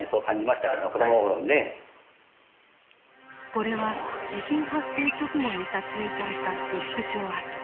これは地震発生直後に撮影された被服廠跡。